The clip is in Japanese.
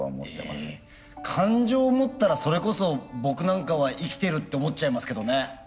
感情を持ったらそれこそ僕なんかは生きてるって思っちゃいますけどね。